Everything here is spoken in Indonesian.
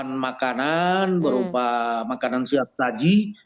menggunakan makanan berupa makanan siap saji